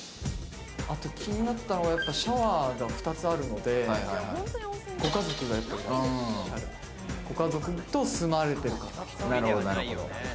気になったのは、シャワーが２つあるので、ご家族がご家族と住まれてる方。